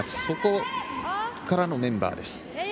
そこからのメンバーです。